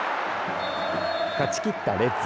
勝ちきったレッズ。